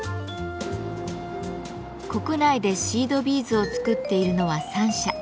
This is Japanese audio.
国内でシードビーズを作っているのは３社。